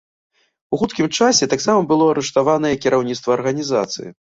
У хуткім часе таксама было арыштаванае і кіраўніцтва арганізацыі.